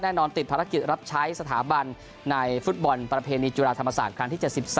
นอนติดภารกิจรับใช้สถาบันในฟุตบอลประเพณีจุฬาธรรมศาสตร์ครั้งที่๗๓